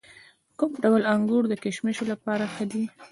کوم ډول انګور د کشمشو لپاره ښه دي؟